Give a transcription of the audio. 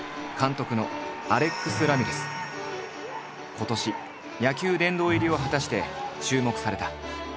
今年野球殿堂入りを果たして注目された。